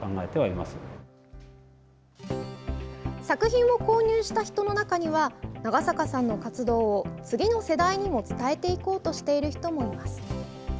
作品を購入した人の中には長坂さんの活動を次の世代にも伝えていこうとしている人もいます。